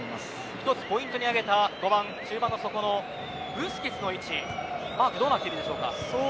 １つポイントに挙げた５番、中盤の底のブスケツのマークはどうなっていますか？